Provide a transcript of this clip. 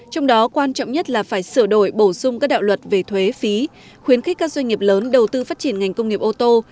trong đó quan trọng nhất là phải sửa đổi bổ sung các đạo luật về thuế phí khuyến khích các doanh nghiệp lớn đầu tư phát triển ngành công nghiệp ô tô